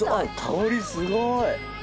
香りすごい。